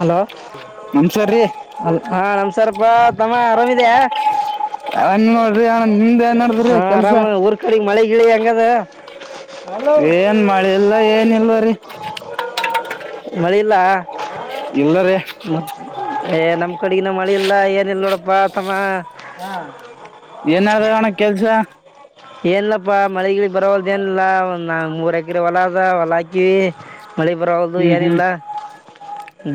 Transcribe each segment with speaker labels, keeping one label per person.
Speaker 1: Hello
Speaker 2: ನಮ್ಸರ್ರಿ
Speaker 1: hello ಅ ಹಾ ನಮ್ಸರಪ್ಪಾ ತಮ್ಮ ಆರಾಮಿದ್ಯ.
Speaker 2: ಅವನ್ ನೋಡ್ರಿ ಅಣ್ಣ ನಿಮ್ದ ಏನ್ ನಡ್ದ್ರಿ
Speaker 1: ಹಾ
Speaker 2: ಕೆಲ್ಸ
Speaker 1: ಆರಾಮ ಆನ್ ಊರ್ ಕಡಿಗ್ ಮಳೆ ಗಿಳಿ ಹೆಂಗದ.
Speaker 2: ಏನ್ ಮಳೆ ಇಲ್ಲ ಏನ್ ಇಲ್ಲರಿ.
Speaker 1: ಮಳಿ ಇಲ್ಲ ಮತ್ತ್ ಏ ನಮ ಕಡಿಗಿನ ಮಳೆ ಇಲ್ಲ ಏನ್ ಇಲ್ಲ ನೋಡಪ್ಪಾ ತಮ್ಮ.
Speaker 2: ಏನಾದ ಅಣ ಕೆಲ್ಸ.
Speaker 1: ಏನಿಲ್ಲಪ್ಪ ಮಳಿ ಗಿಳಿ ಬರವಲ್ದ ಏನಿಲ್ಲಾ ಒನಾ ಮೂರ್ ಎಕರಿ ಹೊಲ ಅದ ಹೊಲ ಹಾಕಿವಿ. ಮಳೆ ಬರವಲಾದು
Speaker 2: ಹ್ಮ್ ಹ್ಮ್
Speaker 1: ಏನಿಲ್ಲ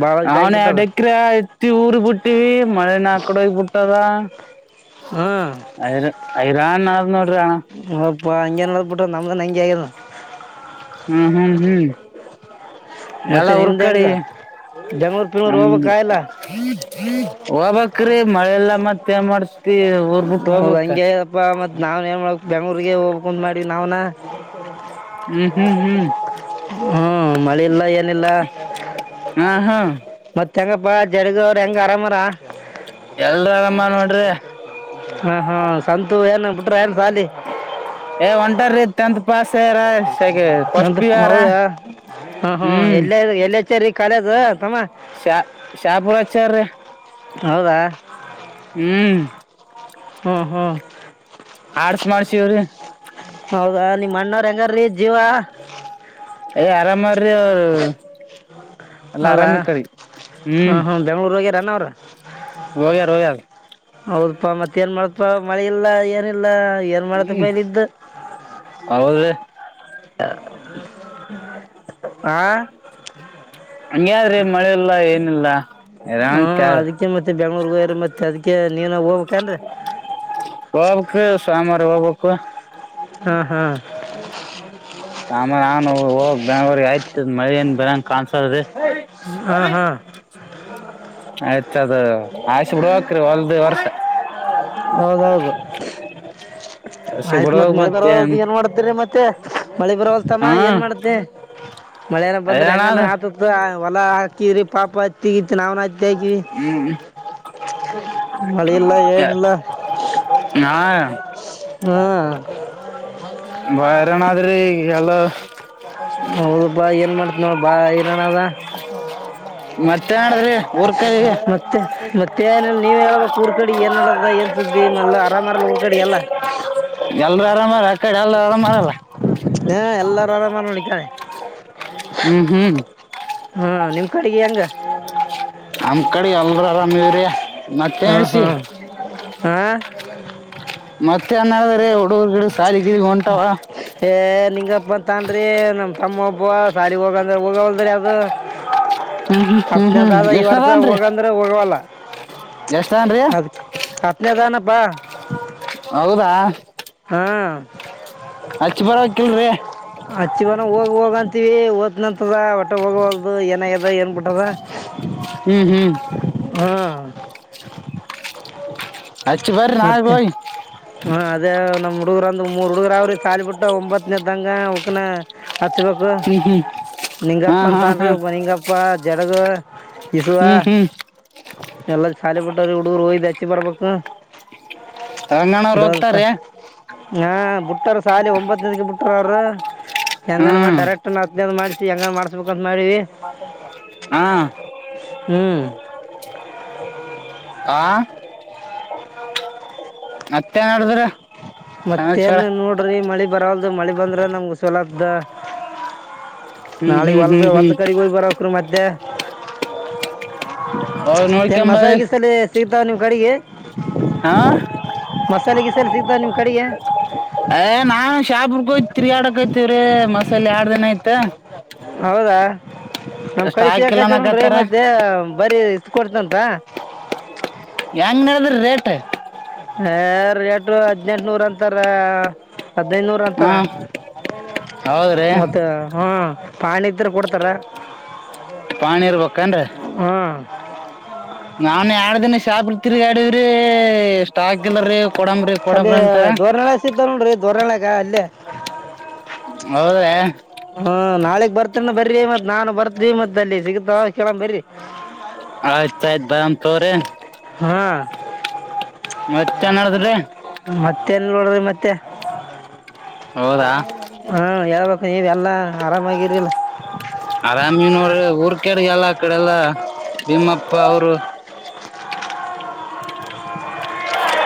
Speaker 1: ಭಾಳ
Speaker 2: ಅವನ
Speaker 1: ಇದಾಗಿಬಿಟ್ಟದ
Speaker 2: ಏಕರೆ ಹತ್ತಿ ಊರಿ ಬಿಟ್ಟಿವಿ ಮಳೆನ ಎಡೆೋಗ ಪುಟ್ಟದಾ ಐರ ಐರಾನ್ ಆ ನ
Speaker 1: ಹಪ್ಪಾ ಹಂಗೇನ ಬಿಟ್ಟ ನಮ್ದ ಹಂಂಗಗೆ ಆಗ
Speaker 2: ಹ್ಮ್ ಹ್ಮ್ ಹ್ಮ್
Speaker 1: ಮತ್ತೆ
Speaker 2: ಎಲ್ಲಾ
Speaker 1: ನಿಮ್ದು
Speaker 2: ಹುರ್ಕಡಿ
Speaker 1: ಹೆಂಗೆ ಬೆಂಗ್ಳೂರು
Speaker 2: ಹ
Speaker 1: ಪಿಂಗ್ಳೂರು ಹೋಗ್ಬೇಕಾ ಇಲ್ಲ
Speaker 2: ಹೋಗಬೇಕ್ರಿ ಮಳೆಲ್ಲಾ ಮತ್ತೇನ್ ಮಾಡ್ತ
Speaker 1: ಹೌದ ಹಂಗೆಪ್ಪಾ ಮತ್ ನಾವ್ ಏನ್ ಮಾಡ ಬೆಂಗ್ಳೂರ್ರಿಗೆ ಹೋಗ್ಕಂದ ಮಾಡ್ವಿ ನಾವ್ನ.
Speaker 2: ಹ್ಮ್ ಹ್ಮ್ ಹ್ಮ್
Speaker 1: ಹುಂ ಮಳಿ ಇಲ್ಲಾ ಏನಿಲ್ಲಾ
Speaker 2: ಹಾ ಹಾ
Speaker 1: ಮತ್ತೆ ಹೆಂಗಪ್ಪಾ ಜಡಗವ್ರ ಹೆಂಗ ಆರಾಮಾರ
Speaker 2: ಎಲ್ರ ಆರಾಮ ನೋಡ್ರಿ
Speaker 1: ಹಾ ಹಾ ಸಂತು ಏನಾಗ ಬಿಟ್ರೆನ್
Speaker 2: ಏ ಒಂಟರೀ ಟೆಂತ್ ಪಾಸ್ ಯಾರ ಫಸ್ಟ್
Speaker 1: ಎಂತ
Speaker 2: ಪಿ ಯು ಯಾರ
Speaker 1: ಹೌದಾ [inaudible] ಹ್ಮ ಹ್ಮ
Speaker 2: ಹ್ಮ್
Speaker 1: ಎಲ್ಲೇ ಎಲ್ಲಚರಿ ಕಾಲೇಜ್ ತಮ್ಮ
Speaker 2: ಶಾ ಶಾಪುರ್ ಹಚ್ಚಾರ್ರಿ
Speaker 1: ಹೌದಾ
Speaker 2: ಹ್ಮ್
Speaker 1: ಹ್ಮ್ ಹ್ಮ್
Speaker 2: ಆಡ್ಸ್ ಮಾಡ್ಸಿವ್ ರೀ
Speaker 1: ಹೌದಾ ನಿಮ್ಮ ಅಣ್ಣವ್ರ ಹೆಂಗಾರಿ ಜೀವ.
Speaker 2: ಆರಾಮಹರಿ ಅವರ ಅಲ್ಲಾ
Speaker 1: ಹೌದಾ
Speaker 2: ಆರಾಮಕರಿ ಹ್ಮ್ ಹೋಗ್ಯಾರ ಹೋಗ್ಯಾರ್
Speaker 1: ಹೌದಪ್ಪಾ ಮತ್ತ ಏನ್ ಮಾಡೋದ ಇಪ್ಪ ಮಳಿ ಇಲ್ಲಾ ಏನಿಲ್ಲಾ ಏನ್ ಮಾಡ್ತಪ್ಪ
Speaker 2: ಹ್ಮ್
Speaker 1: ಇಲ್ಲಿದ್ದ
Speaker 2: [unintelligible]
Speaker 1: ಆ
Speaker 2: ಹಂಗ್ಯಾದ್ರಿ ಮಳೆ ಇಲ್ಲ ಏನಿಲ್ಲ
Speaker 1: ಹಾ
Speaker 2: ಇರಂಕ
Speaker 1: ಅದಕ್ಕೆ ಮತ ಬೆಂಗಳೂರು ಹೋಗ್ಯಾರ ಮತ ಅದಕ್ಕೆ ನೀನ ಹೋಗ್ಬೇಕೆನ್ರಿ
Speaker 2: ಹೋಗ್ಬೇಕ್ರೀ ಸೋಮವಾರ ಹೋಗ್ಬೇಕು.
Speaker 1: ಹ್ಮ್ ಹ್ಮ್
Speaker 2: ಸೋಮಾರ ನಾನು ಹೋಗಿ ಬೆಂಗಳೂರು ಹತ್ತಿ ಮಳಿ ಏನ್ ಬೀಳ ಕಾಣ್ಸತೈತಿ
Speaker 1: ಹಾ
Speaker 2: ಆಯ್ತು ವರ್ಷ
Speaker 1: ಹೌದ ಹೌದು
Speaker 2: ಆಸಿ
Speaker 1: ಆಯ್ತ್ ಮತ್
Speaker 2: ಬಿಡ್ಬೇಕ್
Speaker 1: ಮಳೆ
Speaker 2: ಮತ್ತೆ
Speaker 1: ಬರವಲ್ದು ಏನ್ ಮಾಡ್ತೀರಿ ಮತ್ತೆ ಮಳಿ ಬರವಲ್ತ್ ತಮ್ಮ
Speaker 2: ಹಾ
Speaker 1: ಏನ್ ಮಾಡತಿ ಮಳೆಅರಾ ಬಂದ್ರ ಹೆಂಗನ
Speaker 2: ಅದೇನಾದ
Speaker 1: ಆತುದುತೊಗೊ ಹೊಲ ತೀರಿ ಪಾಪ ಹತಿ ಗೀತಿ ನಾವ್ನು ಹತ್ತಿ ಹಾಕಿವಿ ಮಳೆ ಇಲ್ಲ
Speaker 2: ಯ
Speaker 1: ಏನಿಲ್ಲ
Speaker 2: ಹಾ..
Speaker 1: ಹಾ...
Speaker 2: ಬಾಳ್ ಹೈರಾಣ ಅದರಿ ಈಗ ಎಲ್ಲಾ
Speaker 1: ಹೌದ ಪಾ ಏನ್ ಮಾಡ್ತಿ ನೋಡ ಬಾಳ್ ಹೈರಾಣ ಅದ
Speaker 2: ಮತ್ತೇನ ನಾಡದುಡ್ರಿ
Speaker 1: ಮತ್ತೆ ಮತ್ತೆ ಏನ ನೀವ್ ಹೇಳ್ಬೇಕ ಊರ್ ಕಡೆ ಏನ್ ನಡದುದ ಏನ್ ಸುದ್ದಿ ಮಲಾ
Speaker 2: ಎಲ್ರೂ ಆರಾಮಹರಾ ಆ ಕಡೆ ಎಲ್ರುೂ ಆರಾಮ್ಹರಾಲ್ಲ
Speaker 1: ಹ ಎಲ್ಲಾರು ಆರಾಮ ನೋಡ ಇಕ್ಕಡಿ
Speaker 2: ಹ್ಮ್ ಹ್ಮ್
Speaker 1: ಹಾ ನಿಮ ಅಡಿಗೆ ಹಂಗ
Speaker 2: ನಮ್ಮ ಕಡಿ ಎಲ್ರು ಆರಾಮ ಇದೀವಿರಿ ಮತ್ತೆ
Speaker 1: ಹಾ
Speaker 2: ಏಸಿ
Speaker 1: ಹಾ ಹಾ
Speaker 2: ಮತ್ತ ಏನ್ ಅದರಿ ಹುಡುಗುರು ಗುಡುಗುರು ಸಾಲಿಗಿ ಹೊಂಟಾವಾ
Speaker 1: ಲಿಂಗಪ್ಪ ತೊಗೊಂಡ್ರಿ ನಮ್ಮ ತಮ್ಮ ಒಬ್ಬ ಸಾಲಿಗ ಹೋಗಂದ್ರ ಹೋಗಲ್ದ್ರಿ ಅದು
Speaker 2: ಹ್ಮ್ ಹ್ಮ್ ಹ್ಮ್ ಹ್ಮ್
Speaker 1: ಹತ್ನೆದಾದ್ ಈ ವರ್ಷ
Speaker 2: ಎಷ್ಟದನ್ರಿ
Speaker 1: ಹೋಗಂದ್ರೆ ಹೋಗವಲ್ಲ
Speaker 2: ಎಷ್ಟನ್ರಿ
Speaker 1: ಹತ್ತ ಹತ್ನೇ ಅದಾನಪ್ಪ
Speaker 2: ಹೌದಾ
Speaker 1: ಹಾ
Speaker 2: ಹಚ್ಚಿ ಬರಕಿಲ್ರಿ
Speaker 1: ಅಚ್ಚಿಗನ ಹೋಗ ಹೋಗಂತೀವಿ ಓದನಂತದ ವಟ್ ಹೋಗಲ್ದು ಏನಾಗ್ಯದ ಏನ್ ಬಿಟ್ಟದ
Speaker 2: ಹ್ಮ್ ಹ್ಮ್
Speaker 1: ಹ್ಮ್
Speaker 2: ಅಚ್ಚು ಬರಿ ನಾಳಿ ಹೋಗಿ
Speaker 1: ಹಾ ಅದೇ ನಮ್ಮ್ ಹುಡುಗ್ರಂದ ಮೂರ್ ಹುಡುಗರ ಅವ್ರಿ ಸಾಲಿ ಬಿಟ್ಟ ಒಂಬತ್ನದಂಗ ಅವಕ್ನ ಹಚ್ಬೇಕು
Speaker 2: ಹ್ಮ್ ಹ್ಮ್ ಹಾ
Speaker 1: ನಿಂಗಪ್ಪ
Speaker 2: ಹಾ
Speaker 1: ಅಂತ
Speaker 2: ಹಾ
Speaker 1: ಅನ್ಬ ನಿಂಗಪ್ಪ ಜಡಗ ಇಸುವಾ
Speaker 2: ಹ್ಮ್ ಹ್ಮ್
Speaker 1: ಎಲ್ಲಾ ಶಾಲಿ ಬಿಟ್ಟಾವರಿ ಹುಡುಗರು ಹೋಯಿ ದ ಅಚ್ಚಿಬರಬೇಕ್ಕು
Speaker 2: ರಂಗಣ್ಣವ್ರು
Speaker 1: ಇದೋದ ತಾ
Speaker 2: ಹೋಗ್ತಾರ್ರಿ
Speaker 1: ಹಾ ಬಿುಟ್ಟಾರ ಸಾಲಿ ಒಂಬತ್ತಕ್ಕೆ ಬಿಟ್ಟ ಕ್ ಅವರು ಹೆಂಗ ಮಾಡಿ
Speaker 2: ಹ್ಮ್
Speaker 1: ಡೈರೆಕ್ಟ್ ಹತ್ತ ಮಾಡ್ಸಿ ಹೆಂಗ ಮಾಡ್ಸ್ಬೇಕಂತ ಮಾಡೀವಿ
Speaker 2: ಹಾ
Speaker 1: ಹ್ಮ್
Speaker 2: ಆ ಮತ್ತ ಏನ ನಡದ ರೀ
Speaker 1: ಮತ್ತೇನು ನೋಡ್ರಿ ಮಳಿ ಬರಲ್ದು ಮಳಿ ಬಂದ್ರೆ ನಮ್ಗಗೆ ಸಲದ್ದ.
Speaker 2: ಹ್ಮ್
Speaker 1: ನಾಳಗ್
Speaker 2: ಹ್ಮ್
Speaker 1: ಹೊಲ್ದ
Speaker 2: ಹ್ಮ್
Speaker 1: ಹೊಲ್ದ
Speaker 2: ಹ್ಮ್
Speaker 1: ಕಡೆಗ ಹೋಗ್ ಬರಬೆಕ್ರಿ ಮತ್ತೆ
Speaker 2: ಅವ್
Speaker 1: ಏನ್ ಮಸಾಲೆ
Speaker 2: ನೋಡ್ಕೊಂಬರಿ
Speaker 1: ಗೀಸಲ್ಲಿ ಸಿಗ್ತಾವ ನಿಮ್ಮ ಕಡೆಗಿ
Speaker 2: ಹಾ
Speaker 1: ಮಸಾಲಿ ಗಿಸಾಲಿ ಸಿಗ್ತ ನಿಮ್ ಕಡೆಗಿ
Speaker 2: ಯ್ತ್ ತಿರಿಡಕೈತಿವ್ರೀ ಮಸಾಲ ಎಡ್ದ ದಿನ ಆಯತ
Speaker 1: ಹೌದಾ ನಮ್ ಕಳಿಸಿ
Speaker 2: ಸ್ಟಾಕ್ ಇಲ್ಲ
Speaker 1: ಯಾಕಂತೀರಾ
Speaker 2: ಅನ್ನಕತ್ತಾರ
Speaker 1: ಮಧ್ಯ ಬರಿ ಇತ್ ಕೊಡ್ತಂತ
Speaker 2: ಹೆಂಗ್ ನಡದ್ರ ರೇಟ್
Speaker 1: ಹ ರೇಟು ಹದಿನೆಂಟನೂರ ಅಂತಾರ ಹದಿನೈನೂರು
Speaker 2: ಹಾ
Speaker 1: ಅಂತರ
Speaker 2: ಹೌದ್ರಿ
Speaker 1: ಮತ್ತೆ ಹಾ ಪಾಣಿ ಇದ್ರೆ ಕೊಡ್ತಾರ
Speaker 2: ಪಾಣಿ ಇರಬೇಕ ಅನ್ರಿ
Speaker 1: ಹ್ಞೂ
Speaker 2: ನಾನ್ ಎರಡ ದಿನ ಶಾಪುರ ತಿರ ಗಾಡ್ರಿವರೀ ಸ್ಟಾಕ್ ಇಲ್ಲರಿ ಕೊಡಂಬ್ರಿ
Speaker 1: ಅಲ್ಲಿ
Speaker 2: ಕೊಡಂಬ್ರಿ ಅಂತ
Speaker 1: ಧೋರ್ರಣಳೆಸತವ ನೋಡ್ರಿ ಧೋರ್ಳೆಗ ಅಲ್ಲೇ
Speaker 2: [unintelligible]
Speaker 1: ಹ್ಮ ನಾಳಿಗ್ ಬರ್ತನ ಬರ್ರಿ ಮತ್ ನಾನು ಬರ್ತಿ ಮತ್ ಅಲ್ಲಿ ಸಿಗತಾವ ಕೇಳ್ ಬರಿ
Speaker 2: ಅಯ್ತಾಯ ಬ ತೋಗೋರೀ
Speaker 1: ಮತ್ತೇನಿಲ್ಲ ನೋಡ್ರಿ ಮತ್ತೆ
Speaker 2: ಹೌದಾ
Speaker 1: ಹಾ ಹೇಳಬೇಕು ಈಗ ಎಲ್ಲ ಆರಾಮಾಗಿರಿಲ್ಲ
Speaker 2: ಆರಾಮೀನೋರ ಊರ್ ಕಡಗೆಲ್ಲ ಆ ಕಡೆ ಎಲ್ಲಾ ಬೀಮ್ಮಪ್ಪ ಅವರು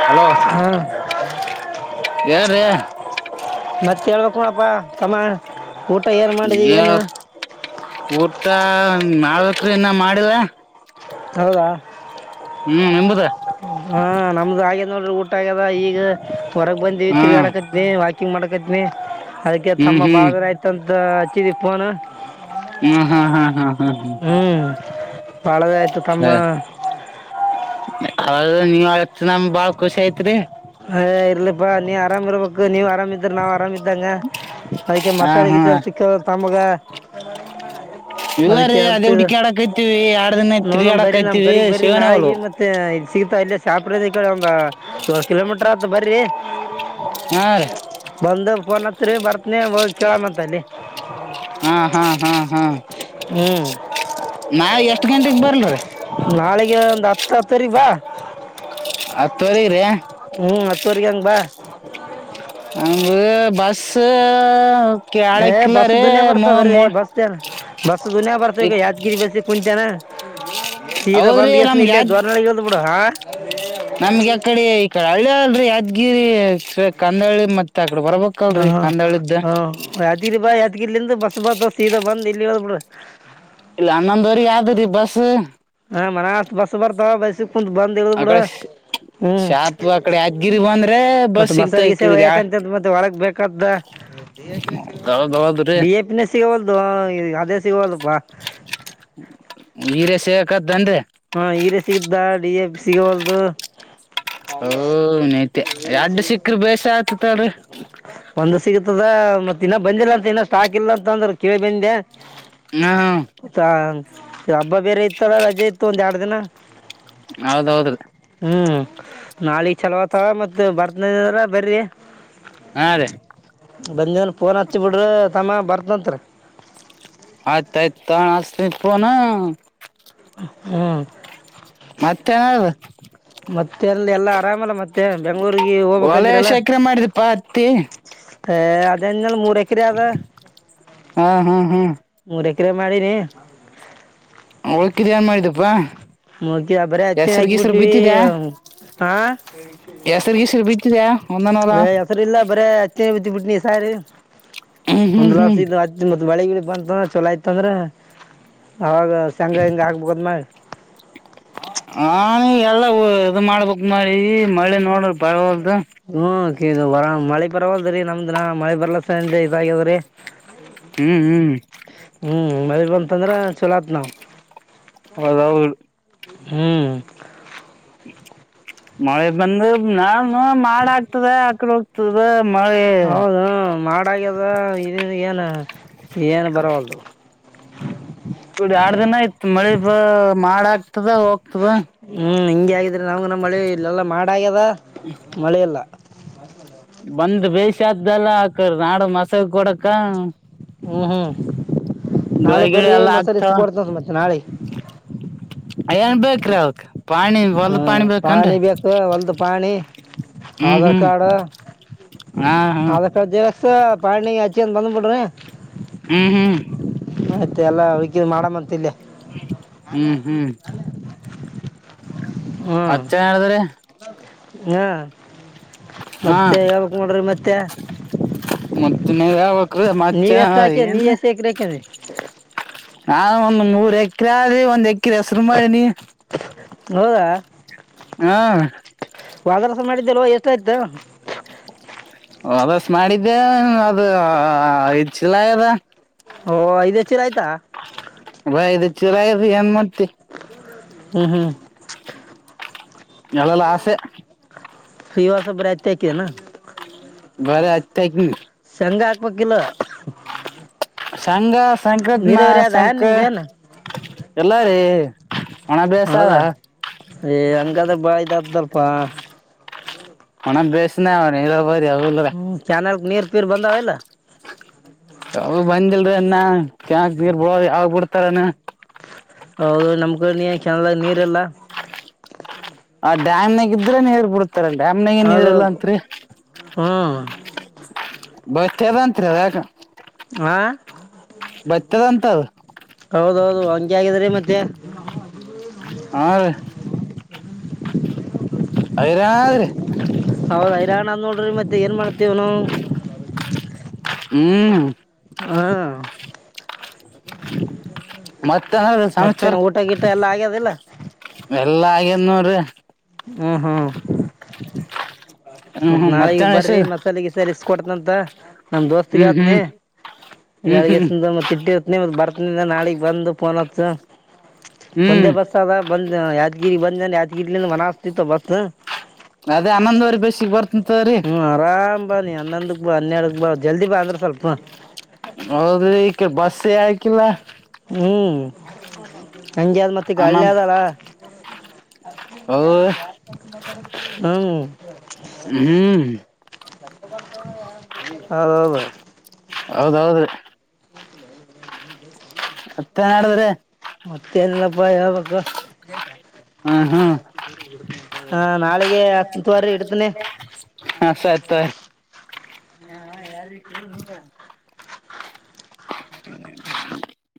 Speaker 2: ಹಲೋ
Speaker 1: ಹಾಂ
Speaker 2: ಯನ್ರಿ
Speaker 1: ಮತ್ತೆ ಹೇಳ್ಬೇಕಣಪ್ಪ ತಮ್ಮಾ
Speaker 2: ಎನ್ ಊಟಾ ಮಾಡ್ಬೇಕ್ರಿ ಇನ್ನ ಮಾಡಿಲ್ಲಾ
Speaker 1: ಹೌದಾ
Speaker 2: ಹ್ಮ್ ನಿಂಬದ
Speaker 1: ಹಾ ನಮ್ದು ಆಗೇ ನೋಡ್ರಿ ಊಟ ಆ್ಯದ ಈಗ ಹೊರಗ್ ಬಂದಿವವಿ
Speaker 2: ಹ್ಮ್
Speaker 1: ತಿಗಾಡಕತ್ತ ವಾಕಿಂಗ್ ಮಾಡಕ ಕನಿ ಅದಕ್ಕೆ
Speaker 2: ಹ್ಮ್
Speaker 1: ತಮ್ಮ
Speaker 2: ಹ್ಮ್
Speaker 1: ಬಾಳ ದಿನ ಆಯ್ತಂತ ಹಚ್ಚಿದಿ ಫೋನ್
Speaker 2: ಹ್ಮ್ ಹ್ಮ್ ಹ್ಮ್ ಹ್ಮ್ ಹ್ಮ್ ಹ್ಮ್
Speaker 1: ಬಾಳದೇ ಆಯ್ತು ತಮ್ಮ
Speaker 2: ಅವ ನೀವ್ ಹಚ್ ನಮಗ ಬಾಳ ಖುಷಿ ಆತ್ರಿ
Speaker 1: ಆರಾಮರಬೇಕು ನೀವು ಆರಾಮ ಇದ್ರ ನಾವ್ ಆರಾಮ್ದಂಗ ಅದ್ಕ್ಕೆ
Speaker 2: ಹಾ
Speaker 1: ಮಸಾಲೆ
Speaker 2: ಹಾ
Speaker 1: ಗೀಸಲ್ ಸಿಕ್ಕ ತಮ್ಮಗ
Speaker 2: ಇಲ್ಲ
Speaker 1: ಅದಕ್ಕೆ
Speaker 2: ರೀ
Speaker 1: ಅಂತ
Speaker 2: ಅದೇ ಹುಡುಕಿ ಆಡಕೈತಿವಿ ಎರಡ್ ದಿನ
Speaker 1: ನೋಡಮ ಬರಿ ನಮ
Speaker 2: ತಿರ್ಗಾಡಕೈತಿವಿ
Speaker 1: ಕಡೆಗ್ ಬರಿ
Speaker 2: ಶಿವನ ಹೊಲು
Speaker 1: ನಾಳಗ ಮತ್ತೆ ಸಿಗತಾ ಇಲ್ಲ ಶಾಪುರ್ ಈ ಕಡೆ ಒಂದ ಏಳ ಕಿಲೋಮೀಟರ್ ಆತ್ ಬರ್ರಿ
Speaker 2: ಹಾ ರೀ
Speaker 1: ಒಂದ ಫೋನ್ ಹಚ್ಚ ರೀ ಬರ್ತ್ನ ಕೇಳಂತಲ್ಲಿ
Speaker 2: ಹಾ ಹಾ ಹಾ ಹಾ
Speaker 1: ಹ್ಮ್
Speaker 2: ನಾ ಎಷ್ಟ್ ಗಂಟೆಗ್ ಬರ್ಲ್ರಿ
Speaker 1: ನಾಳೆಗೆ ಒಂದು ಹತ್ತ ಹತ್ ಹತೂವರೀಗ ಬಾ
Speaker 2: ಹತ್ತುವರೆಗ್ರ
Speaker 1: ಹ್ಮ್ ಹತ್ತುವರಿ ಹಂಗ ಬಾ
Speaker 2: ನಮ್ಗ ಬಸ್ ಕ ಆಳ
Speaker 1: ಏ
Speaker 2: ಕಲ ರ ಮೋ ಮೋ
Speaker 1: ಬಸ್ಸ ದುನ ಬರ್ತಗ
Speaker 2: ಇಕ್
Speaker 1: ಯಾದಗಿರಿ ಬಸ್ಸ ಕುಂತನ ಸೀತಾ
Speaker 2: ಹೌದ್ರಿ
Speaker 1: ಬಂದ್ಗೆಸನ
Speaker 2: ನಮ್ಗ್
Speaker 1: ಇಲ್ಲೇ
Speaker 2: ಯಾದ್
Speaker 1: ದ್ವರ್ನಳಗ್್ದ್ ಬಿಡು ಹಾ
Speaker 2: ನಮ್ಗೆ ಅಕಡೆ ಈಡೆ ಹಳ್ಳಿ ಅಲ್ರಿ ಯಾದ್ಗಿರಿ ಕಂದಳಿ ಮತ್ೆ
Speaker 1: ಹಾ ಹಾ ಹ್ ಯಾತ್ಗಿರಿ ಬಾ ಯಾತ್ಗಿರಿಲಿಂದ ಬಸ್ ಬಾತ್ ಸೀದಾ ಬಂದ ಇಲ್ಲಿ ಇದ್ ಬಿಡ ಹ
Speaker 2: ಇಲ್ಲ ಅನ್ನಂದರಿ ಯಾವ್ದರಿೀ ಬಸ್
Speaker 1: ಹಾಂ ಮನಸ್ ಬಸ ಬರ್ದ ಬೈಸು ಕು ಬಂದ್ಗ
Speaker 2: ಆ
Speaker 1: ಬಿಡ
Speaker 2: ಕಡೆ
Speaker 1: ಹ್ಮ್
Speaker 2: ಶಾಪ್ ಆ ಕಡೆ ಯಾದಗಿರಿ ಬಂದ್ರೆ
Speaker 1: ಮತ್ತ
Speaker 2: ಬಸ್ ಸಿಗ್ತಾ ಈ
Speaker 1: ಮಸಾಲಿಗೆ ಸೇವ
Speaker 2: ಕಡೆ ಯಾ
Speaker 1: ಯಾಕಂತ ಮತ್ತೆ ಒಳಗ್ ಬೇಕಡಿಪ
Speaker 2: ಹೌದ್ರಿ
Speaker 1: ಸಿ ಅದೇ ಸಿಗುವೋದಪ್ಪಾ
Speaker 2: ಹೀರ ಸೇವಕದ ಅಂದ್ರೆ
Speaker 1: ಹಾ ಈರೇ ಸಿಗತ ಡಿ ಎ ಸಿಗವಲ್ದು
Speaker 2: ಓ ನೈತ್ಯ ಎಡ್ಡು ಸಿಕ್ಕ್ರ ಬೇಸ ಆತತಾಡ್ರಿ
Speaker 1: ಒಂದು ಸಿಗತದ ಮತ್ತತ್ ಇನ್ನ ಬಂದಿಲ್ಲ ಅಂತ ಇನ್ನ ಸ್ಟಾಕ್ ಇಲ್ಲ ಅಂತ ಅಂದ್ರೆ ಕೇಳಿ ಬಂದೆ
Speaker 2: ಹಾ
Speaker 1: ಹಬ್ಬ ಬೇರೆ ಇತ್ತಲ್ಲ ರಜೆ ಇತ್ತು ಒಂದ ಎರಡು ದಿನ
Speaker 2: ಹೌದೌದ್ರಿ
Speaker 1: ಹ್ಮ್ ನಳೆ ಚಲೋತ ಮತ್ತ ಬರ್ತನ ಅ್ರ ಬರ್ರಿ
Speaker 2: ಹಾ ರೀ
Speaker 1: ಬಂದವನು ಫೋನ್ ಹಚ್ಚಿಬ ಬಿಿಡ್ರೆ ತಮ್ಮ ಬರ್ತತ್ರಿ
Speaker 2: ಆಯ್ತಾಯಯ್ತು ತ ಅಸ್ತನ ೋನ
Speaker 1: ಹ್ಮ್
Speaker 2: ಮತ್ತೆ ಏನದು
Speaker 1: ಮತ್ತೆ ಅಲ್ಲಿ ಎಲ್ಲ ಆರಾಮಲ್ಲ ಮತ್ತೆ ಮ ಬೆಂಗಗಳೂ
Speaker 2: ಹೊಲ
Speaker 1: ಹೋಗ್ಂದರಲ್ಲ
Speaker 2: ಎಷ್ಟ್ ಎಕರೆ ಮಾಡಿದಪ್ಪ ಹತ್ತಿ
Speaker 1: ಅದ ಮೂ ಎಕರೆ ಅದ
Speaker 2: ಹಾ ಹಾ ಹಾ
Speaker 1: ಮೂರ ಎಕರೆ ಮಾಡಿನಿ
Speaker 2: ಹಳ್ಕಿದ ಏನ್ ಮಾಡಿದಪ್ಪಾ
Speaker 1: ಮಕ ಬರ ಹತ್ತಿನ ಹಾಕಬಿಟ್ವಿ ಹ
Speaker 2: ಹೆಸರು ಗಿಸ್ರು ಬಿತ್ತಿದ್ಯಾ ಒಂದನ ಹೊಲ
Speaker 1: ್ ಹೆಸರು ಇಲ್ಲ ಬರ ಹಚ್ಚಿನ ಬಿತ್ತಿ ಬಿಟ್ಟನಿ ಸಾರಿ
Speaker 2: ಹ್ಮ್ ಹ್ಮ್ ಹ್ಮ್
Speaker 1: ಮುಂದ್ಲಸ ಮ ಬೆಳಿಗ್ಳ ಬಂತಂದ್ರ ಚಲೋ ಆಯತ ಅಂದ್ರೆ ಆವಾಗ ಶಘ ಹಿಂಗೆ ಆಾಕ್ಬೇಕಾದ್ಮ್ಯೆ
Speaker 2: ಹ ನೀ ಎಲ್ಲ ಇದು ಮಾಡ್ಬೇಕಕ್ ನಿ ಮಳಿ ನೋಡ ಬ
Speaker 1: ಹ್ಮ ಕ ಬರ ಮಳೆ ಪರವಲ್ದ್ರೀ ನಮ್ದಿನ ಮಳೆ ಬರ್ಲಸ ಅ ಇದ ಆಗ್ಯದ್ರೀ
Speaker 2: ಹ್ಮ್ ಹ್ಮ್
Speaker 1: ಹ್ಮ್ ಮರಿ ಬಂತಂದ್ರೆ ಚಲೋತ್ ನಾವ್
Speaker 2: ಹೌದೌದು
Speaker 1: ಹ್ಮ್
Speaker 2: ಮಳೆ ಬಂದ ನಾನು ಮಾಡ ಆಕ್ತದೆ ಆಕಡೆ ಹೋಗ್ತದ ಮಳೆ
Speaker 1: ಹೌದು ಮಾಡಾಗ್ಯದ ಇದ ಏನು ಏನ್ ಬರವಲ್ದು
Speaker 2: ಕುಡಿ ಆರ್ ದಿನ ಆಯ್ತ್ ಮಳಿ ಮಾಡಕ್
Speaker 1: ಹ್ಮ್ ಹಿಂಗಗೆ ಆಗಿದ್ರಿ ನಾವ ನ ಮಳೆ ಇಲ್ಲೆಲ್ಲ ಮಾಡ ಆಗ್ಯದ ಮಳೆ ಎಲ್ಲ
Speaker 2: ಬಂದ ಬೇಷಾದ್ದಲ್ಲ ಆಕ ನಾಡ ಮಸಾಗ ಕೊಡಕ್ಕ
Speaker 1: ಹ್ಮ ಹ್ಮ
Speaker 2: ಗಳಿ ಗಿಳಿ ಎಲ್ಲಾ ಆಗ್ತ
Speaker 1: ಇಸ್ಕೊಡ್ತಂತ ಮತ್ತೆ ನಾಳೆ
Speaker 2: ಏನ್ ಬೇಕ್ರ ಅವಕ್ ಪಾಣಿ
Speaker 1: ಹಾ
Speaker 2: ಹೊಲ್ದ ಬೇಕನ್ರಿ
Speaker 1: ಪಾಣಿ ಬೇಕು ಹೊಲ್ದು ಪಾಣಿ
Speaker 2: ಹ್ಮ್
Speaker 1: ಆಧಾರ್
Speaker 2: ಹ್ಮ್
Speaker 1: ಕಾರ್ಡ್
Speaker 2: ಹಾ ಹಾ
Speaker 1: ಆಧಾರ್ ಕಾರ್ಡ್ ಜರಕ್ಸ ಪಳನಿಗೆ ಅಚ್ಚಿ ಅಂತ ಬಂದ್ ಪಡ್ರ
Speaker 2: ಹ್ಮ್ ಹ್ಮ್
Speaker 1: ಆಯ್ತ ಎಲ್ಲ ಹುಡುಕ ಮಾಡ್ಂತಲ್ಲಿ
Speaker 2: ಹ್ಮ್ ಹ್ಮ್ ಹತ್ತನ ಹೇಳಿದ್ರ
Speaker 1: ಹ್ಮ
Speaker 2: ಹಾ
Speaker 1: ಮತ್ತೆ ಯಾವಕ್ ನೋಡ್ರಿ ಮತ್ತೆ
Speaker 2: ಮತ್ತ ನೀ ಯ್ರ ಮ
Speaker 1: ನೀವ್ ಎಷ್ಟು ಹಾಕಿ ನೀ
Speaker 2: ಏನ್
Speaker 1: ಎಷ್ಟು ಎಕರೆ ಹಾಕಿದ್ರಿ
Speaker 2: ಹಾ ಒಂದ ಮೂರ್ ಎಕರೆ ಆದಿ ಒಂದ್ ಎಕ್ರ ಹೆಸರು ಮಾಡಿನಿ
Speaker 1: ಹೌದಾ
Speaker 2: ಹಾ
Speaker 1: ವಾದರಸ ಮಾಡಿದ್ದಲ್ವ ಎಷ್ಟಾಯ್ತು
Speaker 2: ವದಸ್ ಮಾಡಿದ್ದೆ ಅದು ಇಲ ಅದ
Speaker 1: ಓ ಇದು ಹೆ ಚಿರ ಆಯ್ತಾ
Speaker 2: ಚಿರದು ಎ
Speaker 1: ಹ್ಮ್ ಹ್ಮ್
Speaker 2: ಎಳೆಲ್ಲ ಆಸೆ
Speaker 1: ಫೀವರ್ಸೊ ಬರತ ಆಐಕಿದೆನಾ
Speaker 2: ಬರ ಅಯತಾಐ ನೀ
Speaker 1: ಶಂಗ ಹಾಕ್ಬೇಕಲ್
Speaker 2: ಸಂಘ ಸಂಕದಮ
Speaker 1: ಅದ
Speaker 2: ಸಂಂಕ
Speaker 1: ನಿಮ್ದೇನು
Speaker 2: ಎಲ್ಲಾರೀ ಒಣಭ್ಯಾಸ
Speaker 1: ಹೌದಾ ಉ್ದಪ್ಪ
Speaker 2: ಮ ಬೇಸ್ನೆ ಅವ
Speaker 1: ಕ್ಯಾನಲ್ಗೆ ನೀರು ಪೀರ್ ಬಂದಾವ ಇಲ್ಲ
Speaker 2: ಅವು ಬಂದಿಲ್ಲ ನ್ನ ಚನ್ನಕ್ ನೀರ್ ಬಿಳೋ ಆಗ್ಬಿಡ್ತಾರನ
Speaker 1: ಹೌದು ನಮ್ಕ ನೀ ಚನ್ನದ ನೀರೆಲ್ಲ
Speaker 2: ಆ ಡಾಮ್ನಾಗ ಇದ್ರೇ ಹೇಬಡುತ್ತೆ ಡ್ಯಾಮ್ನ ನ್ಿದ್ರಲ್ಲಾ
Speaker 1: ಹೌದೌದು
Speaker 2: ಅತ್ರಿ
Speaker 1: ಹ್ಞೂ
Speaker 2: ಬದಂತ್ರಿ ಅದಾಗ
Speaker 1: ಆ
Speaker 2: ಬರ್ತದಂತದ
Speaker 1: ಹೌದೌದು ಹಂಗೆ ಆಗಿದ್ರಿ ಮತ್ತೆ
Speaker 2: ಹಾ ಯರಾರ ರ [unintelligible]
Speaker 1: ಹೌದ ಹೈರಾಣ ನೋಡ್ರಿ ಮತ್ತೆ ಏನ್ ಮಾಡ್ತೇವ್ನು
Speaker 2: ಹ್ಮ್
Speaker 1: ಹಾ
Speaker 2: ಮತ್ತೇನ್ರೀ ಸಮಾಚಾರ
Speaker 1: ಮತ್ತೇನ ಊಟ ಗೀಟ ಎಲ್ಲ ಆಗ್ಯದಿಲ್ಲ
Speaker 2: ಎಲ್ಲ ಆಗೈದ್ ನೋಡ್ರಿ
Speaker 1: ಹ್ಮ ಹೂ
Speaker 2: ಹ್ಮ್
Speaker 1: ಮತ್
Speaker 2: ಹ್ಮ್
Speaker 1: ನಾಳೆಗ
Speaker 2: ಮತ್ತೇನ್
Speaker 1: ಬರ್ರಿ
Speaker 2: ವಿಷಯ
Speaker 1: ಮಸಾಲೆ ಗಿಸಲೇ ಇಸ್ ಕೊಡತಾ ನಂತ ನಮ್
Speaker 2: ಹ್ಮ್
Speaker 1: ದೋಸ್ತಿಗಪನೇ
Speaker 2: ಹ್ಮ್ ಹ್ಮ್ ಹ್ಮ್
Speaker 1: ಈಗ್ ಮ ಇಟ್ಟಿರ್ತ್ನ ಮತ್ತ ಬರ್ತನ ನಾಳಗ್ ಬಂದು ಪೋನ್ ಹಚ್ಚು
Speaker 2: ಹ [inaudible]
Speaker 1: ಒಂದೇ ಬಸ್ ಅದ ಬಂದ್ ಯಾದ್ಗಿರಿ ಬಂದ ಅ ಯಾದಗಿರಿಲಿಂದ ಮನ ಹಸ್ತಿತ್ತು ಬಸ್
Speaker 2: ಅದೇ ಅನಂದವರೆ ಬಸಿ
Speaker 1: ಹ್ಮ್ ಆರಾಮ್ ಬಾ ನೀ ಹನ್ನೊಂದಕ್ ಬಾ ಹನ್ನೆರಡುಕ್ ಬಾ ಜಲ್ದಿ ಬಾ ಅಂದ್ರ ಸ್ವಲ್ಪ
Speaker 2: ಹೌದ್ರಿ ಈಕ ಬಸ್ಸೇ ಹಾಕಿಲ್ಲ
Speaker 1: ಹ್ಮ್ ನಾಗ್ಯಾದ್ ಮತ್ತೆಗ
Speaker 2: ಹನ್ನೊಂದ್
Speaker 1: ಹಳ್ಳಿದಲ್ಲ
Speaker 2: ಹೌ
Speaker 1: ಹ್ಮ್
Speaker 2: ಹ್ಮ್
Speaker 1: ಹೌದೌದ
Speaker 2: ಹೌದೌದ್ರೀ ಮತ್ತೆನ್ಾಡಿದ್ರಿ
Speaker 1: ಮತ್ತೆನಲ್ಲಪ್ಪ ಹೇಳ್ ಬೇಕು
Speaker 2: ಹ್ಮ್ ಹ್ಮ್
Speaker 1: ಹಾ ನಾಳೆಗೆ ಹತ್ತುವಾರಿ ಇಡ್ತನಿ
Speaker 2: ಆ ಆಯ್ತ [unintelligible] [unintelligible]